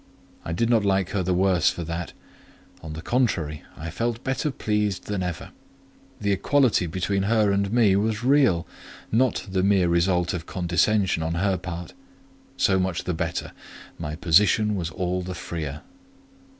I did not like her the worse for that; on the contrary, I felt better pleased than ever. The equality between her and me was real; not the mere result of condescension on her part: so much the better—my position was all the freer.